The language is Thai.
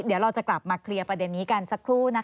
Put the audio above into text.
เดี๋ยวเราจะกลับมาเคลียร์ประเด็นนี้กันสักครู่นะคะ